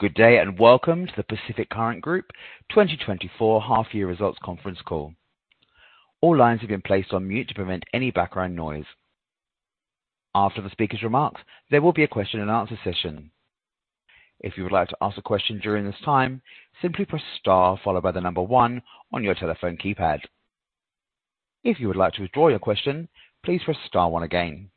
Good day and welcome to the Pacific Current Group 2024 Half-Year Results Conference call. All lines have been placed on mute to prevent any background noise. After the speaker's remarks, there will be a question-and-answer session. If you would like to ask a question during this time, simply press star followed by the number one on your telephone keypad. If you would like to withdraw your question, please press star one again.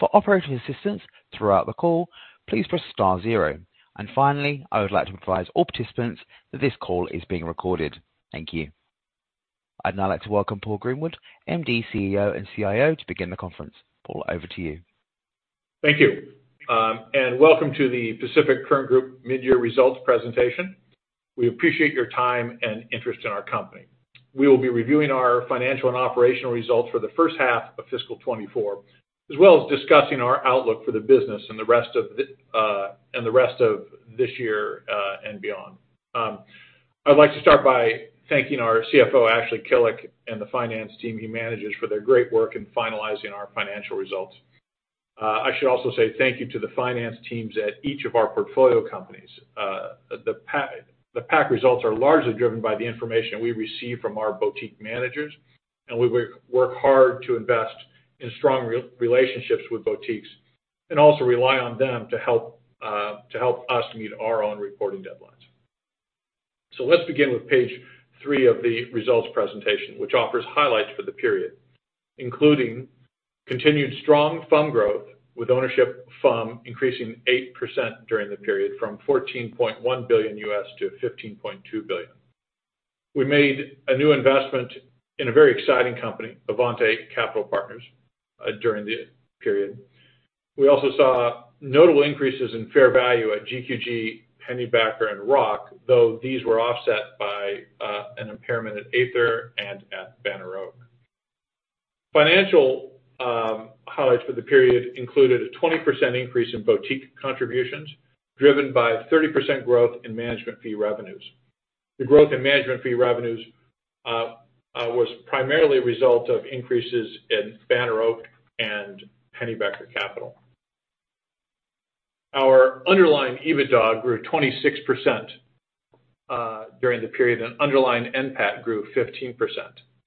For operator assistance throughout the call, please press star zero. And finally, I would like to advise all participants that this call is being recorded. Thank you. I'd now like to welcome Paul Greenwood, MD, CEO, and CIO, to begin the conference. Paul, over to you. Thank you. Welcome to the Pacific Current Group Mid-Year Results presentation. We appreciate your time and interest in our company. We will be reviewing our financial and operational results for the first half of fiscal 2024, as well as discussing our outlook for the business and the rest of this year and beyond. I'd like to start by thanking our CFO, Ashley Killick, and the finance team he manages for their great work in finalizing our financial results. I should also say thank you to the finance teams at each of our portfolio companies. The PAC results are largely driven by the information we receive from our boutique managers, and we work hard to invest in strong relationships with boutiques and also rely on them to help us meet our own reporting deadlines. Let's begin with page three of the results presentation, which offers highlights for the period, including continued strong FUM growth with ownership FUM increasing 8% during the period from $14.1 billion to $15.2 billion. We made a new investment in a very exciting company, Avante Capital Partners, during the period. We also saw notable increases in fair value at GQG, Pennybacker, and Roc, though these were offset by an impairment at Aether and at Banner Oak. Financial highlights for the period included a 20% increase in boutique contributions driven by 30% growth in management fee revenues. The growth in management fee revenues was primarily a result of increases in Banner Oak and Pennybacker Capital. Our underlying EBITDA grew 26% during the period, and underlying NPAT grew 15%.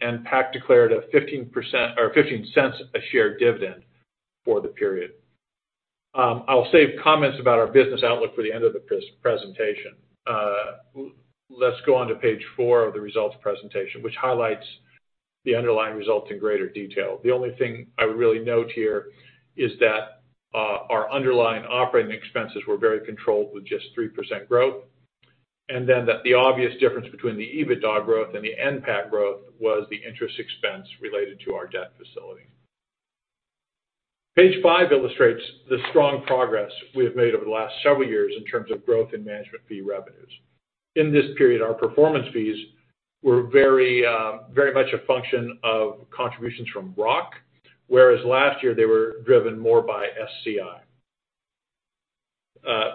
NPAT declared AUD 0.15 a share dividend for the period. I'll save comments about our business outlook for the end of the presentation. Let's go on to page four of the results presentation, which highlights the underlying results in greater detail. The only thing I would really note here is that our underlying operating expenses were very controlled with just 3% growth, and then that the obvious difference between the EBITDA growth and the NPAT growth was the interest expense related to our debt facility. Page five illustrates the strong progress we have made over the last several years in terms of growth in management fee revenues. In this period, our performance fees were very much a function of contributions from Roc, whereas last year they were driven more by SCI.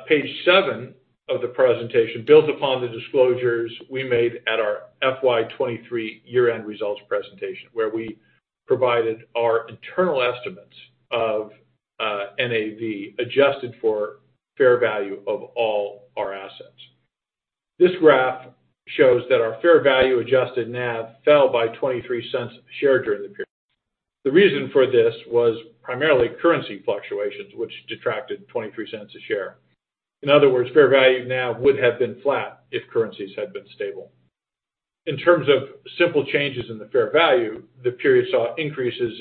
Page seven of the presentation builds upon the disclosures we made at our FY 2023 year-end results presentation, where we provided our internal estimates of NAV adjusted for fair value of all our assets. This graph shows that our fair value adjusted NAV fell by 0.23 a share during the period. The reason for this was primarily currency fluctuations, which detracted 0.23 a share. In other words, fair value NAV would have been flat if currencies had been stable. In terms of simple changes in the fair value, the period saw increases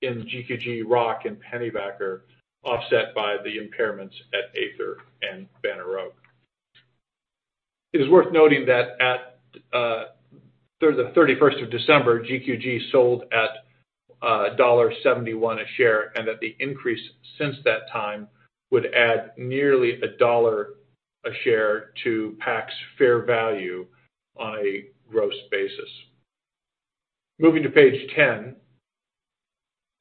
in GQG, Roc, and Pennybacker offset by the impairments at Ather and Banner Oak. It is worth noting that at the 31st of December, GQG sold at dollar 1.71 a share and that the increase since that time would add nearly AUD 1 a share to PAC's fair value on a gross basis. Moving to page 10,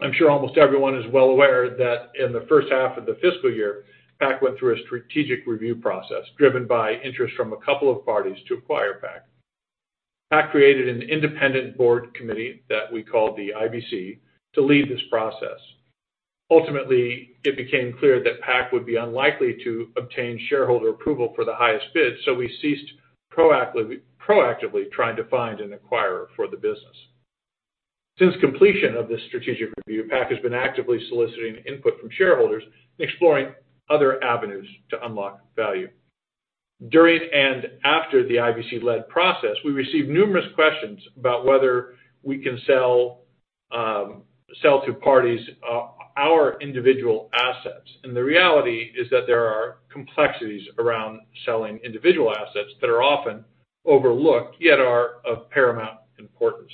I'm sure almost everyone is well aware that in the first half of the fiscal year, PAC went through a strategic review process driven by interest from a couple of parties to acquire PAC. PAC created an Independent Board Committee that we called the IBC to lead this process. Ultimately, it became clear that PAC would be unlikely to obtain shareholder approval for the highest bid, so we ceased proactively trying to find an acquirer for the business. Since completion of this strategic review, PAC has been actively soliciting input from shareholders and exploring other avenues to unlock value. During and after the IBC-led process, we received numerous questions about whether we can sell to parties our individual assets. The reality is that there are complexities around selling individual assets that are often overlooked yet are of paramount importance.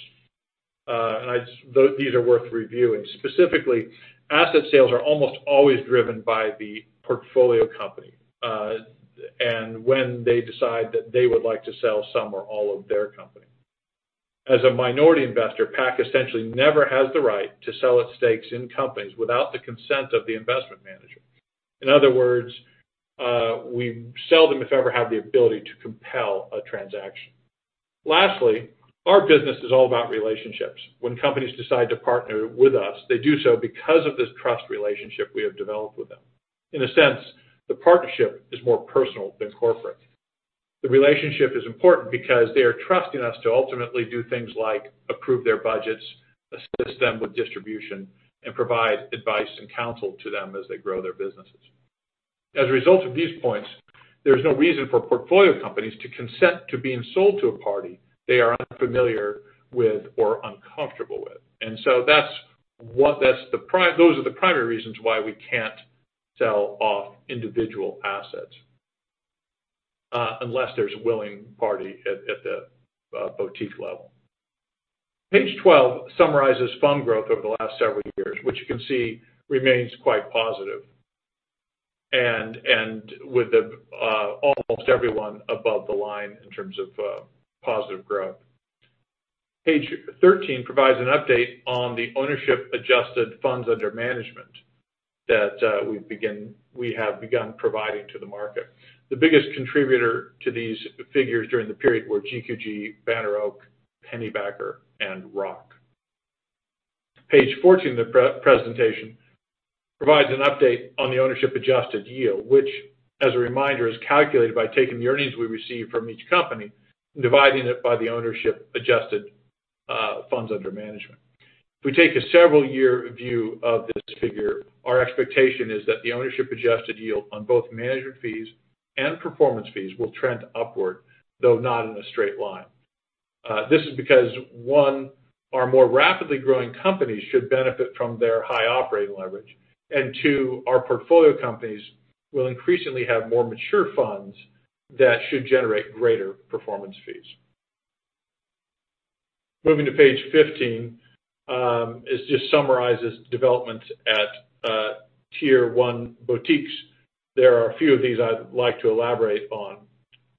These are worth reviewing. Specifically, asset sales are almost always driven by the portfolio company and when they decide that they would like to sell some or all of their company. As a minority investor, PAC essentially never has the right to sell its stakes in companies without the consent of the investment manager. In other words, we sell them if ever have the ability to compel a transaction. Lastly, our business is all about relationships. When companies decide to partner with us, they do so because of this trust relationship we have developed with them. In a sense, the partnership is more personal than corporate. The relationship is important because they are trusting us to ultimately do things like approve their budgets, assist them with distribution, and provide advice and counsel to them as they grow their businesses. As a result of these points, there is no reason for portfolio companies to consent to being sold to a party they are unfamiliar with or uncomfortable with. And so those are the primary reasons why we can't sell off individual assets unless there's a willing party at the boutique level. Page 12 summarizes FUM growth over the last several years, which you can see remains quite positive and with almost everyone above the line in terms of positive growth. Page 13 provides an update on the ownership-adjusted funds under management that we have begun providing to the market, the biggest contributor to these figures during the period were GQG, Banner Oak, Pennybacker, and Roc. Page 14 of the presentation provides an update on the ownership-adjusted yield, which, as a reminder, is calculated by taking the earnings we receive from each company and dividing it by the ownership-adjusted funds under management. If we take a several-year view of this figure, our expectation is that the ownership-adjusted yield on both management fees and performance fees will trend upward, though not in a straight line. This is because, one, our more rapidly growing companies should benefit from their high operating leverage, and two, our portfolio companies will increasingly have more mature funds that should generate greater performance fees. Moving to page 15, it just summarizes developments at tier one boutiques. There are a few of these I'd like to elaborate on.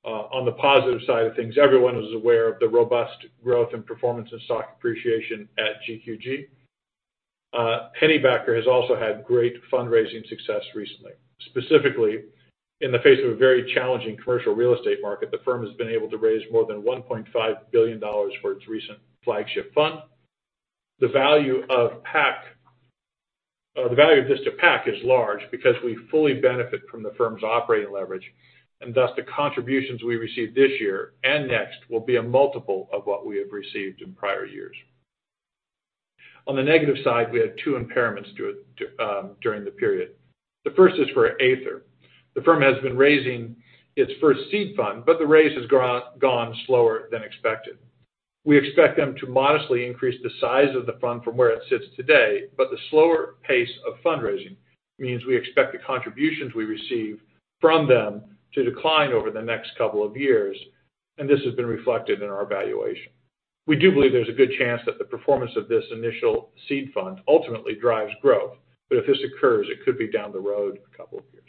On the positive side of things, everyone is aware of the robust growth and performance and stock appreciation at GQG. Pennybacker has also had great fundraising success recently. Specifically, in the face of a very challenging commercial real estate market, the firm has been able to raise more than $1.5 billion for its recent flagship fund. The value of this to PAC is large because we fully benefit from the firm's operating leverage, and thus the contributions we receive this year and next will be a multiple of what we have received in prior years. On the negative side, we have two impairments during the period. The first is for Ather. The firm has been raising its first seed fund, but the raise has gone slower than expected. We expect them to modestly increase the size of the fund from where it sits today, but the slower pace of fundraising means we expect the contributions we receive from them to decline over the next couple of years, and this has been reflected in our valuation. We do believe there's a good chance that the performance of this initial seed fund ultimately drives growth, but if this occurs, it could be down the road a couple of years.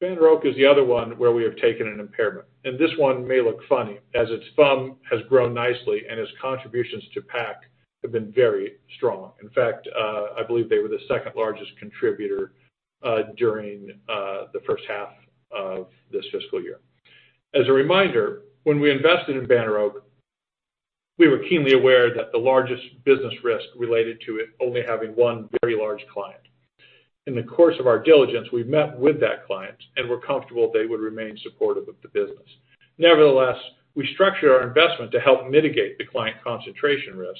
Banner Oak is the other one where we have taken an impairment. And this one may look funny as its FUM has grown nicely and its contributions to PAC have been very strong. In fact, I believe they were the second largest contributor during the first half of this fiscal year. As a reminder, when we invested in Banner Oak, we were keenly aware that the largest business risk related to it was only having one very large client. In the course of our diligence, we met with that client and were comfortable they would remain supportive of the business. Nevertheless, we structured our investment to help mitigate the client concentration risk,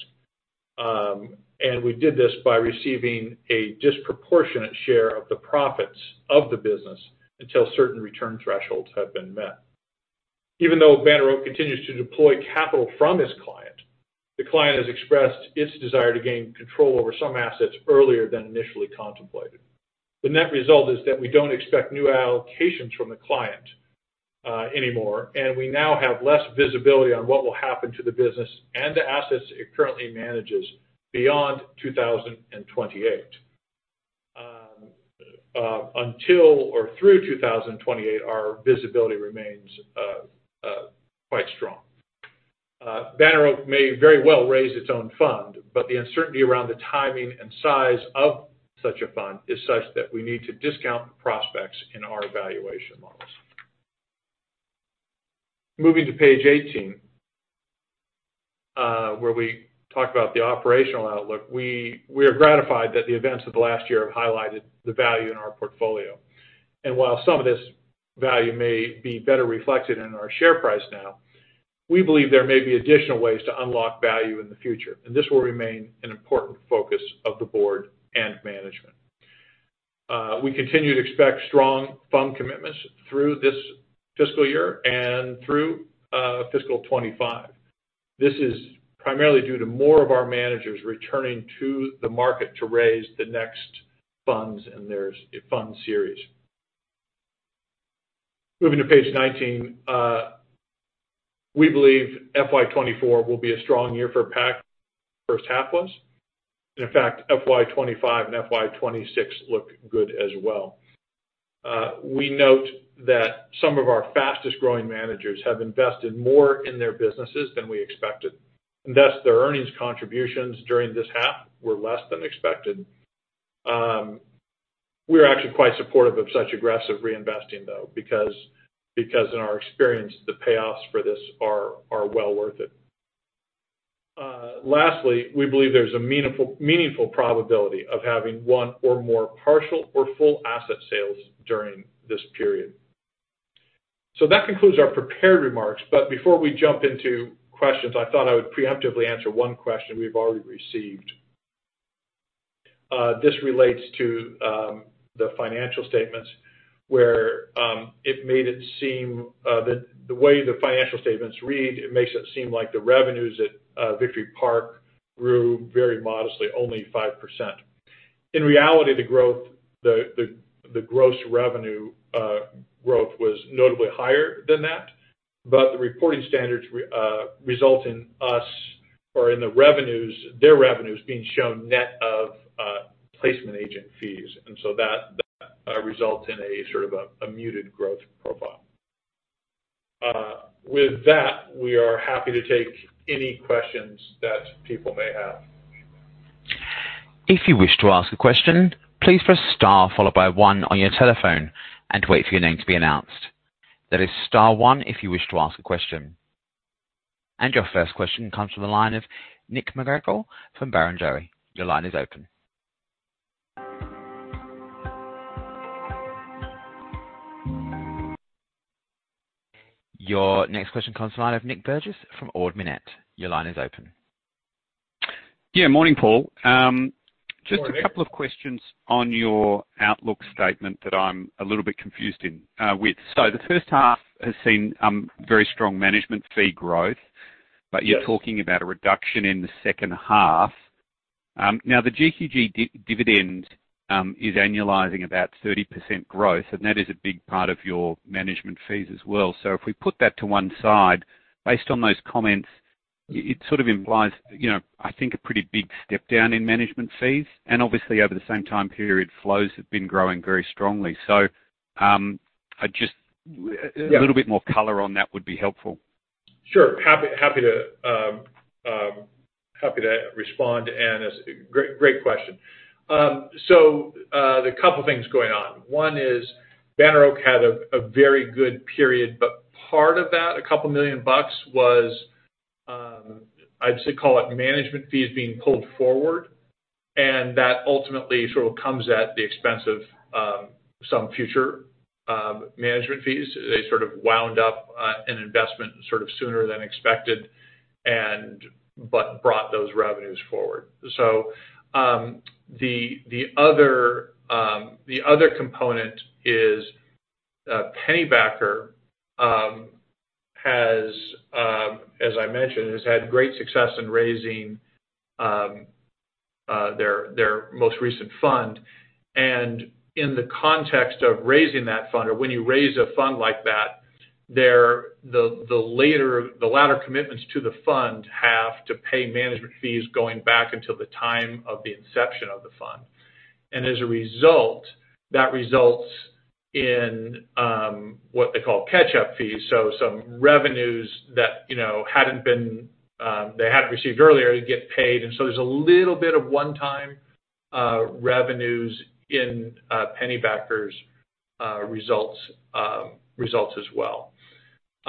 and we did this by receiving a disproportionate share of the profits of the business until certain return thresholds had been met. Even though Banner Oak continues to deploy capital from its client, the client has expressed its desire to gain control over some assets earlier than initially contemplated. The net result is that we don't expect new allocations from the client anymore, and we now have less visibility on what will happen to the business and the assets it currently manages beyond 2028. Until or through 2028, our visibility remains quite strong. Banner Oak may very well raise its own fund, but the uncertainty around the timing and size of such a fund is such that we need to discount the prospects in our valuation models. Moving to page 18, where we talk about the operational outlook, we are gratified that the events of the last year have highlighted the value in our portfolio. And while some of this value may be better reflected in our share price now, we believe there may be additional ways to unlock value in the future, and this will remain an important focus of the board and management. We continue to expect strong FUM commitments through this fiscal year and through fiscal 2025. This is primarily due to more of our managers returning to the market to raise the next funds in their fund series. Moving to page 19, we believe FY 2024 will be a strong year for PAC, the first half was. In fact, FY 2025 and FY 2026 look good as well. We note that some of our fastest-growing managers have invested more in their businesses than we expected, and thus their earnings contributions during this half were less than expected. We are actually quite supportive of such aggressive reinvesting, though, because in our experience, the payoffs for this are well worth it. Lastly, we believe there's a meaningful probability of having one or more partial or full asset sales during this period. That concludes our prepared remarks. Before we jump into questions, I thought I would preemptively answer one question we've already received. This relates to the financial statements where it made it seem that the way the financial statements read, it makes it seem like the revenues at Victory Park grew very modestly, only 5%. In reality, the gross revenue growth was notably higher than that, but the reporting standards result in us or in their revenues being shown net of placement agent fees. And so that results in a sort of a muted growth profile. With that, we are happy to take any questions that people may have. If you wish to ask a question, please press star followed by one on your telephone and wait for your name to be announced. That is star one if you wish to ask a question. And your first question comes from the line of Nick McGregor from Barrenjoey. Your line is open. Your next question comes from the line of Nick Burgess from Ord Minnett. Your line is open. Yeah. Morning, Paul. Just a couple of questions on your outlook statement that I'm a little bit confused with. So, the first half has seen very strong management fee growth, but you're talking about a reduction in the second half. Now, the GQG dividend is annualizing about 30% growth, and that is a big part of your management fees as well. So, if we put that to one side, based on those comments, it sort of implies, I think, a pretty big step down in management fees. And obviously, over the same time period, flows have been growing very strongly. So, a little bit more color on that would be helpful. Sure. Happy to respond, Nick. Great question. So, there are a couple of things going on. One is Banner Oak had a very good period, but part of that, $2 million, was I'd call it management fees being pulled forward. And that ultimately sort of comes at the expense of some future management fees. They sort of wound up an investment sort of sooner than expected but brought those revenues forward. So, the other component is Pennybacker has, as I mentioned, had great success in raising their most recent fund. And in the context of raising that fund, or when you raise a fund like that, the latter commitments to the fund have to pay management fees going back until the time of the inception of the fund. And as a result, that results in what they call catch-up fees, so some revenues that they hadn't received earlier get paid. And so, there's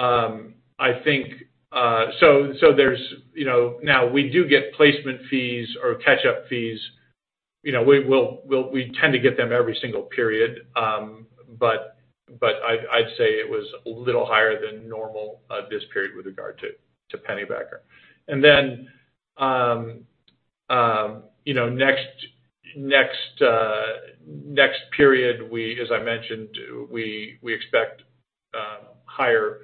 a little bit of one-time revenues in Pennybacker's results as well. So, now we do get placement fees or catch-up fees. We tend to get them every single period, but I'd say it was a little higher than normal this period with regard to Pennybacker. And then next period, as I mentioned, we expect higher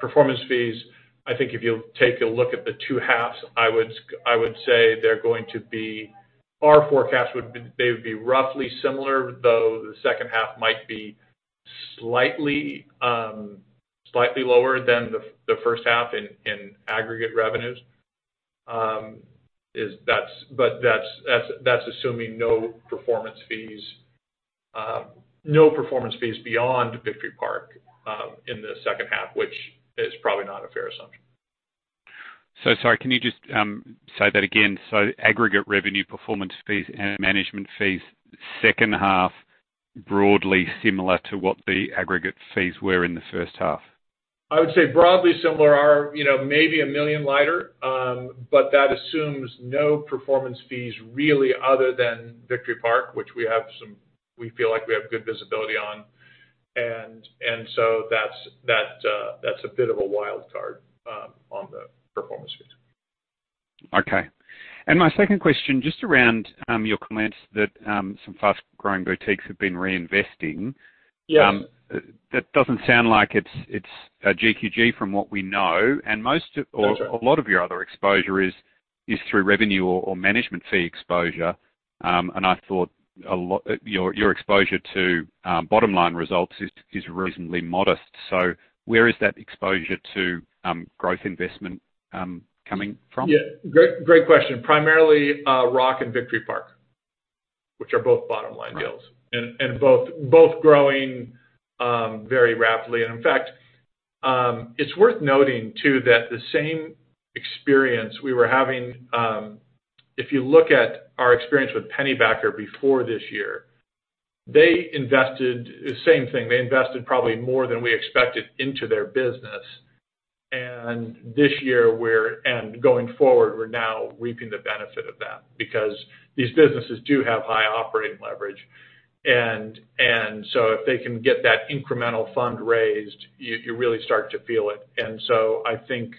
performance fees. I think if you take a look at the two halves, I would say they're going to be our forecast would be they would be roughly similar, though the second half might be slightly lower than the first half in aggregate revenues. But that's assuming no performance fees beyond Victory Park in the second half, which is probably not a fair assumption. So sorry, can you just say that again? So aggregate revenue, performance fees, and management fees, second half, broadly similar to what the aggregate fees were in the first half? I would say broadly similar, maybe $1 million lighter, but that assumes no performance fees really other than Victory Park, which we feel like we have good visibility on. And so that's a bit of a wild card on the performance fees. Okay. And my second question, just around your comments that some fast-growing boutiques have been reinvesting, that doesn't sound like it's GQG from what we know. And a lot of your other exposure is through revenue or management fee exposure. And I thought your exposure to bottom-line results is reasonably modest. So, where is that exposure to growth investment coming from? Yeah. Great question. Primarily, Roc and Victory Park, which are both bottom-line deals and both growing very rapidly. And in fact, it's worth noting, too, that the same experience we were having if you look at our experience with Pennybacker before this year, they invested the same thing. They invested probably more than we expected into their business. And this year and going forward, we're now reaping the benefit of that because these businesses do have high operating leverage. And so, if they can get that incremental fund raised, you really start to feel it. And so, I think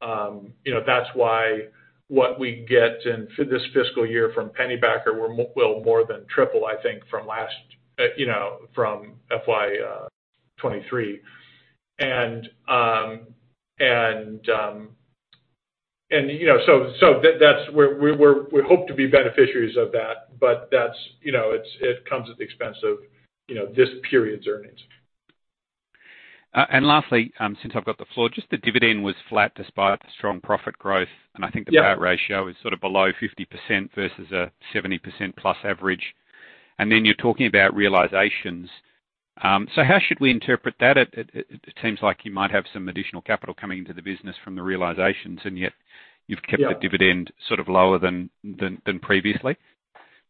that's why what we get in this fiscal year from Pennybacker will more than triple, I think, from FY 2023. And so we hope to be beneficiaries of that, but it comes at the expense of this period's earnings. Lastly, since I've got the floor, just the dividend was flat despite strong profit growth, and I think the payout ratio is sort of below 50% versus a 70%-plus average. Then you're talking about realizations. So how should we interpret that? It seems like you might have some additional capital coming into the business from the realizations, and yet you've kept the dividend sort of lower than previously.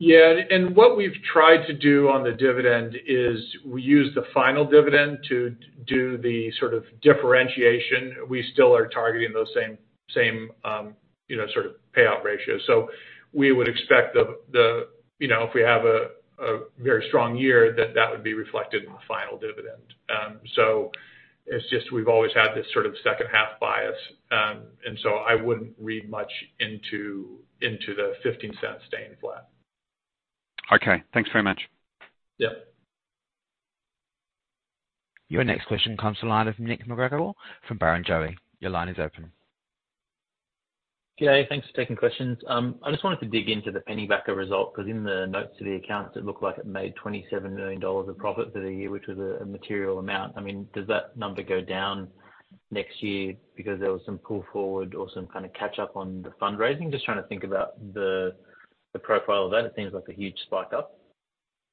Yeah. And what we've tried to do on the dividend is we use the final dividend to do the sort of differentiation. We still are targeting those same sort of payout ratios. So, we would expect the if we have a very strong year, that that would be reflected in the final dividend. So, it's just we've always had this sort of second-half bias. And so I wouldn't read much into the 0.15 staying flat. Okay. Thanks very much. Yep. Your next question comes from the line of Nick McGregor from Barrenjoey. Your line is open. G'day. Thanks for taking questions. I just wanted to dig into the Pennybacker result because in the notes to the accounts, it looked like it made $27 million of profit for the year, which was a material amount. I mean, does that number go down next year because there was some pull forward or some kind of catch-up on the fundraising? Just trying to think about the profile of that. It seems like a huge spike up.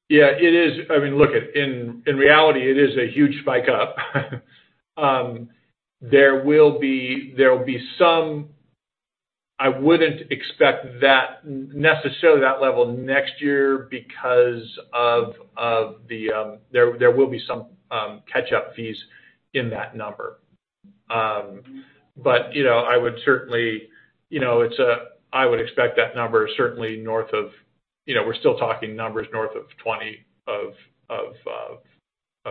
Yeah. It is. I mean, look, in reality, it is a huge spike up. There will be some I wouldn't expect necessarily that level next year because of the there will be some catch-up fees in that number. But I would expect that number certainly north of 20. We're still talking numbers north of 20 of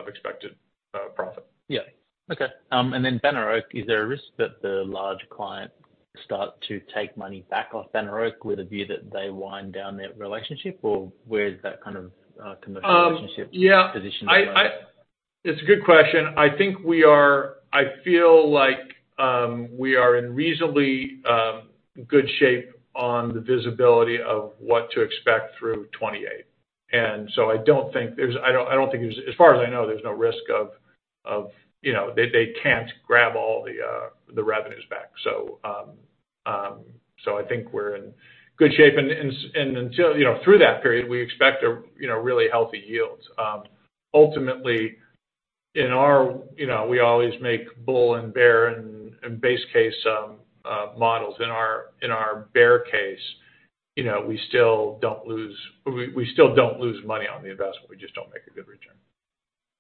expected profit. Yeah. Okay. And then Banner Oak, is there a risk that the large client start to take money back off Banner Oak with a view that they wind down their relationship, or where's that kind of commercial relationship positioned right now? Yeah. It's a good question. I feel like we are in reasonably good shape on the visibility of what to expect through 2028. And so, I don't think there's, as far as I know, there's no risk of they can't grab all the revenues back. So, I think we're in good shape. And through that period, we expect a really healthy yield. Ultimately, in our we always make bull and bear and base case models. In our bear case, we still don't lose money on the investment. We just don't make a good return.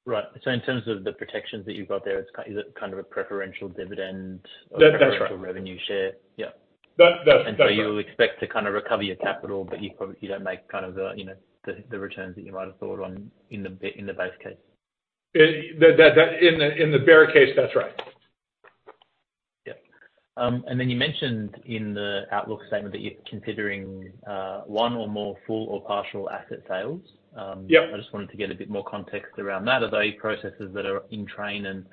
Right. So, in terms of the protections that you've got there, is it kind of a preferential dividend or preferential revenue share? That's right. Yeah. And so you'll expect to kind of recover your capital, but you don't make kind of the returns that you might have thought on in the base case? In the bear case, that's right. Yep. And then you mentioned in the outlook statement that you're considering one or more full or partial asset sales. I just wanted to get a bit more context around that. Are those processes that are in train and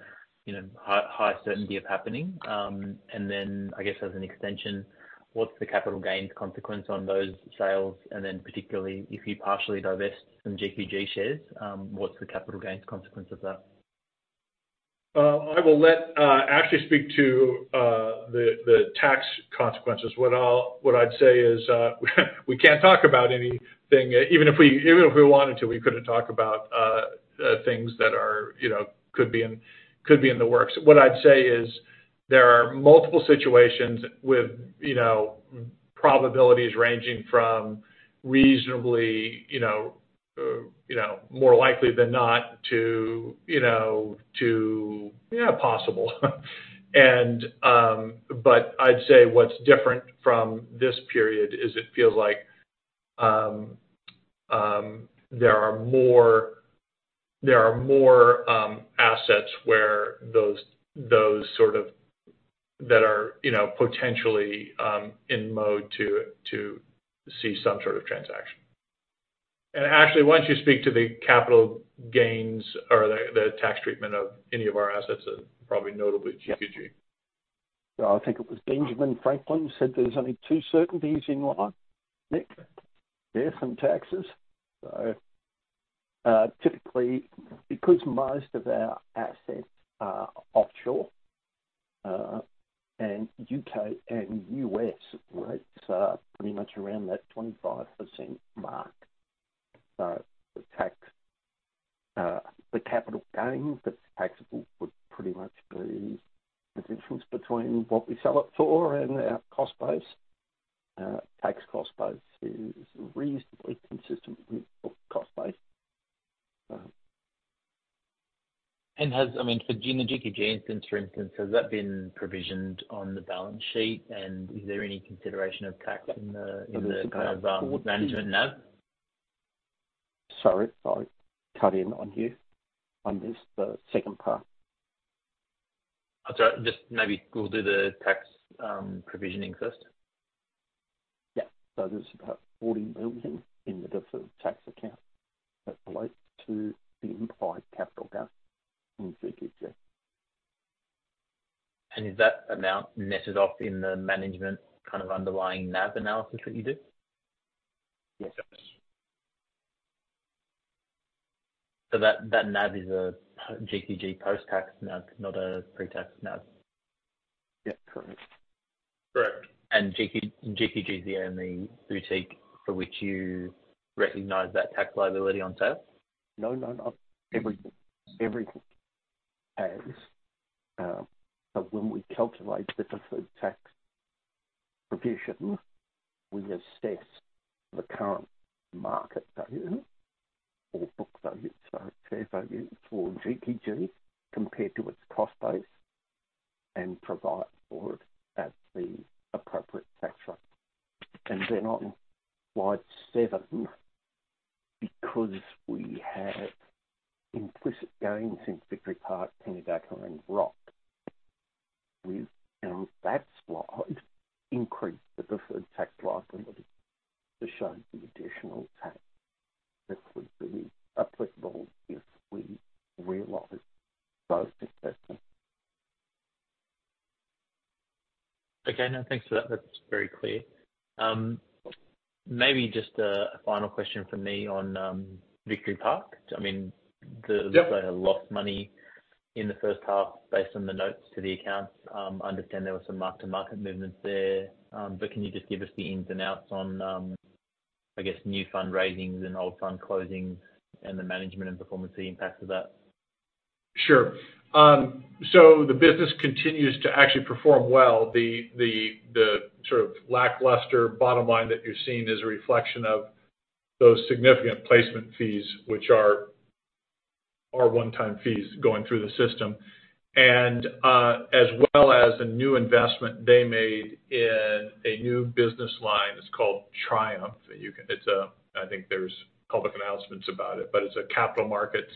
high certainty of happening? And then I guess as an extension, what's the capital gains consequence on those sales? And then particularly, if you partially divest some GQG shares, what's the capital gains consequence of that? I will let Ashley speak to the tax consequences. What I'd say is we can't talk about anything even if we wanted to, we couldn't talk about things that could be in the works. What I'd say is there are multiple situations with probabilities ranging from reasonably more likely than not to possible. But I'd say what's different from this period is it feels like there are more assets where those sort of that are potentially in mode to see some sort of transaction. And Ashley, once you speak to the capital gains or the tax treatment of any of our assets, probably notably GQG. Yeah. I think it was Benjamin Franklin who said there's only two certainties in life, Nick. There's some taxes. So, typically, because most of our assets are offshore and U.K. and U.S., rates are pretty much around that 25% mark. So, the capital gains that's taxable would pretty much be the difference between what we sell it for and our cost base. Tax cost base is reasonably consistent with cost base. And I mean, for GQG, for instance, has that been provisioned on the balance sheet? And is there any consideration of tax in the kind of management NAV? Sorry. Sorry. Cut in on you on the second part. Oh, sorry. Just maybe we'll do the tax provisioning first. Yep. So there's about 40 million in the different tax accounts that relate to the implied capital gain in GQG. And is that amount netted off in the management kind of underlying NAV analysis that you do? Yes. So, that NAV is a GQG post-tax NAV, not a pre-tax NAV? Yep. Correct. and GQG's the only boutique for which you recognize that tax liability on sale? No, no, no. Everything pays. So, when we calculate the different tax provisions, we assess the current market value or book value, thanks for that. That's very clear. Maybe just a final question from me on Victory Park. I mean, they have lost money in the first half based on the notes to the accounts. I understand there were some mark-to-market movements there, but can you just give us the ins and outs on, I guess, new fundraisings and old fund closings and the management and performance impacts of that? Sure. So, the business continues to actually perform well. The sort of lackluster bottom line that you're seeing is a reflection of those significant placement fees, which are one-time fees going through the system, as well as a new investment they made in a new business line. It's called Triumph. I think there's public announcements about it, but it's a capital markets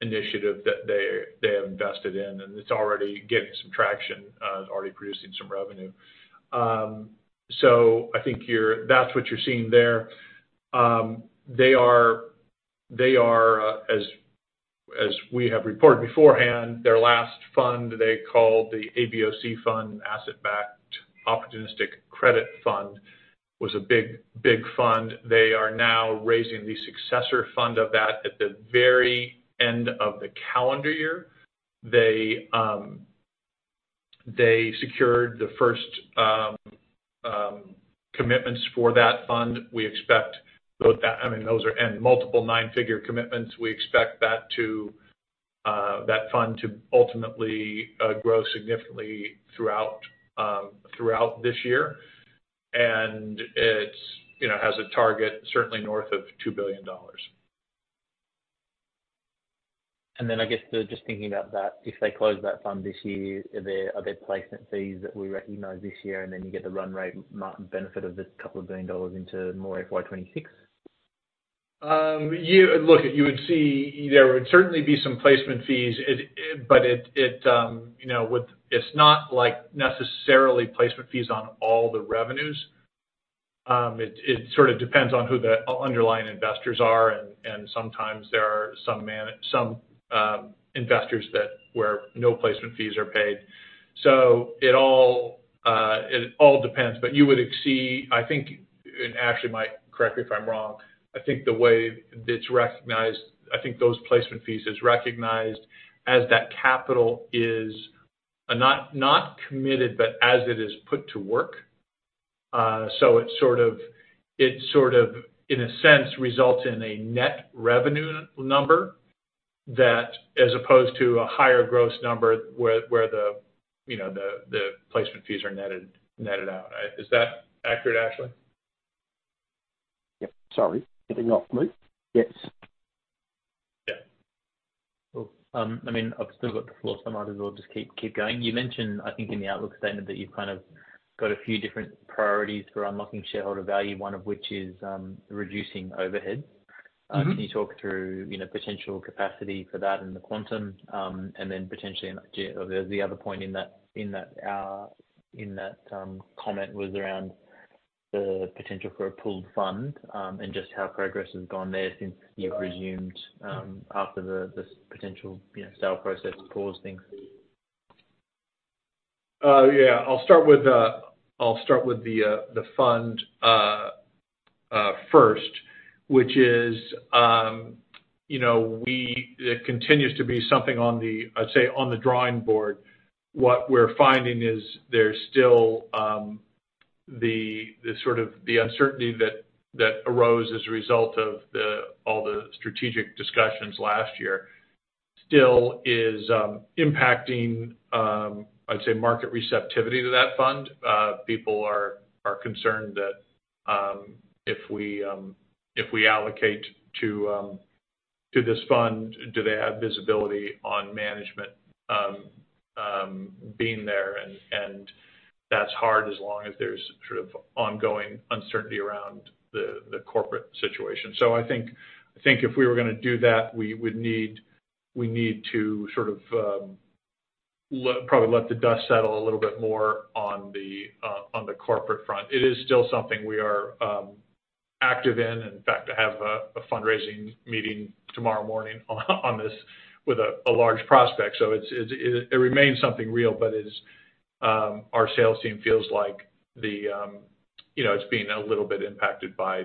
initiative that they have invested in, and it's already getting some traction, already producing some revenue. So, I think that's what you're seeing there. They are, as we have reported beforehand, their last fund they called the ABOC Fund, Asset-Backed Opportunistic Credit Fund, was a big, big fund. They are now raising the successor fund of that at the very end of the calendar year. They secured the first commitments for that fund. We expect those that I mean, those are multiple nine-figure commitments. We expect that fund to ultimately grow significantly throughout this year, and it has a target certainly north of $2 billion. And then I guess just thinking about that, if they close that fund this year, are there placement fees that we recognize this year, and then you get the run rate benefit of this couple of billion dollars into more FY 2026? Look, you would see there would certainly be some placement fees, but it's not necessarily placement fees on all the revenues. It sort of depends on who the underlying investors are. And sometimes there are some investors where no placement fees are paid. So it all depends, but you would exceed, I think, and Ashley might correct me if I'm wrong. I think the way it's recognized, I think those placement fees is recognized as that capital is not committed, but as it is put to work. So, it sorts of, in a sense, results in a net revenue number as opposed to a higher gross number where the placement fees are netted out. Is that accurate, Ashley? Yep. Sorry. Anything off mute? Yes. Yeah. I mean, I've still got the floor, so, I might as well just keep going. You mentioned, I think, in the outlook statement that you've kind of got a few different priorities for unlocking shareholder value, one of which is reducing overhead. Can you talk through potential capacity for that in the quantum? And then potentially there's the other point in that our comment was around the potential for a pooled fund and just how progress has gone there since you've resumed after the potential sale process paused things. Yeah. I'll start with the fund first, which is, it continues to be something on the, I'd say, on the drawing board. What we're finding is there's still the sort of the uncertainty that arose as a result of all the strategic discussions last year still is impacting, I'd say, market receptivity to that fund. People are concerned that if we allocate to this fund, do they have visibility on management being there? And that's hard as long as there's sort of ongoing uncertainty around the corporate situation. So, I think if we were going to do that, we would need to sort of probably let the dust settle a little bit more on the corporate front. It is still something we are active in. In fact, I have a fundraising meeting tomorrow morning on this with a large prospect. So it remains something real, but our sales team feels like it's being a little bit impacted by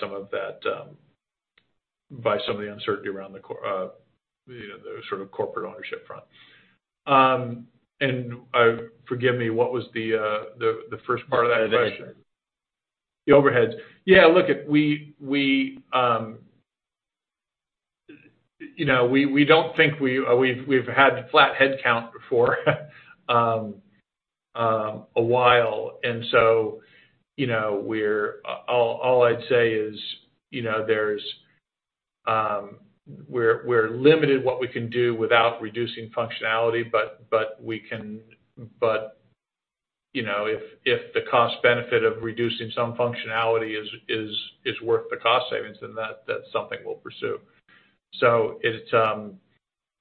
some of that by some of the uncertainty around the sort of corporate ownership front. And forgive me. What was the first part of that question? The overheads. The overheads. Yeah. Look, we don't think we've had flat headcount for a while. And so all I'd say is we're limited what we can do without reducing functionality, but we can but if the cost-benefit of reducing some functionality is worth the cost savings, then that's something we'll pursue.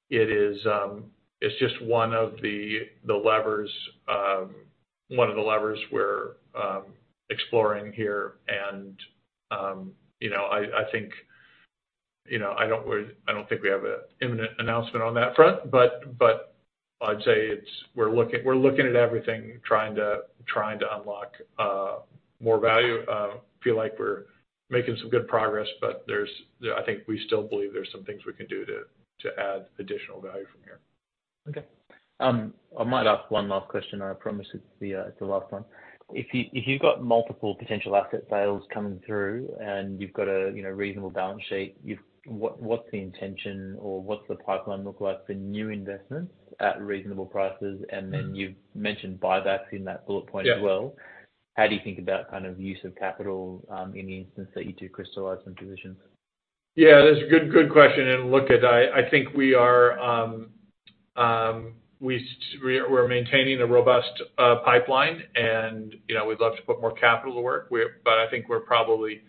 It is just one of the levers one of the levers we're exploring here. I think I don't think we have an imminent announcement on that front, but I'd say we're looking at everything, trying to unlock more value. I feel like we're making some good progress, but I think we still believe there's some things we can do to add additional value from here. Okay. I might ask one last question, and I promise it's the last one. If you've got multiple potential asset sales coming through and you've got a reasonable balance sheet, what's the intention or what's the pipeline look like for new investments at reasonable prices? Then you've mentioned buybacks in that bullet point as well. How do you think about kind of use of capital in the instance that you do crystallize some positions? Yeah. That's a good question. And look, I think we are maintaining a robust pipeline, and we'd love to put more capital to work, but I think we're probably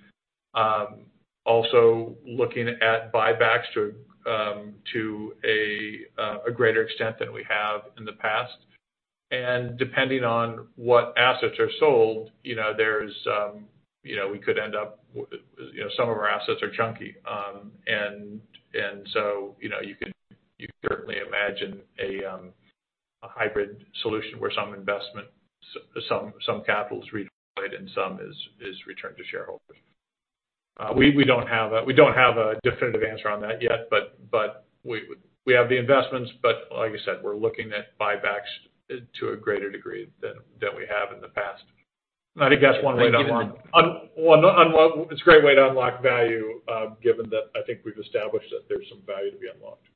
also looking at buybacks to a greater extent than we have in the past. And depending on what assets are sold, there we could end up; some of our assets are chunky. And so you could certainly imagine a hybrid solution where some capital's returned and some is returned to shareholders. We don't have a definitive answer on that yet, but we have the investments. But like I said, we're looking at buybacks to a greater degree than we have in the past. And I think that's one way to unlock value. Well, it's a great way to unlock value given that I think we've established that there's some value to be unlocked.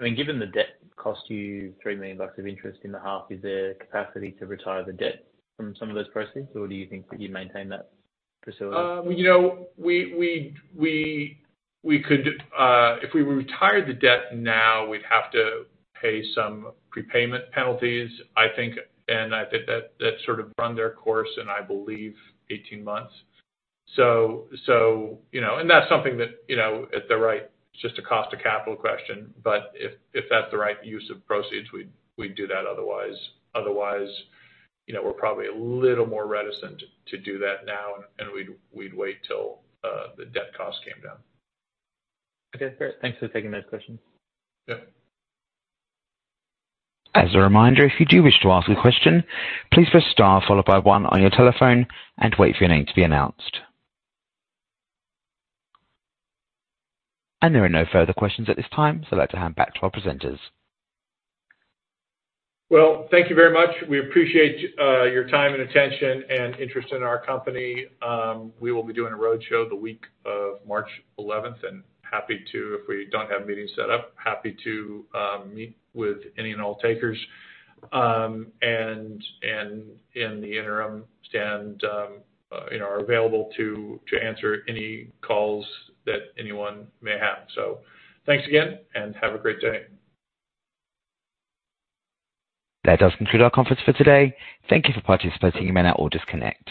I mean, given the debt cost you $3 million of interest in the half, is there capacity to retire the debt from some of those proceeds, or do you think that you'd maintain that facility? We could if we retired the debt now, we'd have to pay some prepayment penalties, I think, and I think that that sort of run their course, and I believe 18 months. That's something that at the right it's just a cost of capital question. But if that's the right use of proceeds, we'd do that. Otherwise, we're probably a little more reticent to do that now, and we'd wait till the debt cost came down. Okay. Great. Thanks for taking those questions. Yep. As a reminder, if you do wish to ask a question, please press star followed by 1 on your telephone and wait for your name to be announced. There are no further questions at this time, so I'd like to hand back to our presenters. Well, thank you very much. We appreciate your time and attention and interest in our company. We will be doing a roadshow the week of March 11th, and happy to, if we don't have meetings set up, happy to meet with any and all takers. In the interim, we stand ready to answer any calls that anyone may have. So thanks again, and have a great day. That does conclude our conference for today. Thank you for participating. You may now disconnect.